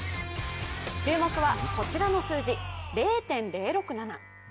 注目はこちらの数字、０．０６７。